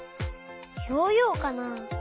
ヨーヨーかな？